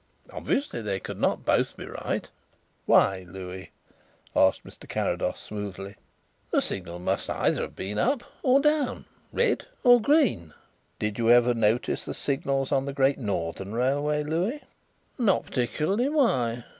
Obviously, they could not both be right." "Why, Louis?" asked Mr. Carrados smoothly. "The signal must either have been up or down red or green." "Did you ever notice the signals on the Great Northern Railway, Louis?" "Not particularly, Why?"